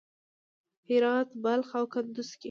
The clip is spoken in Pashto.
هرات، بلخ او کندز کې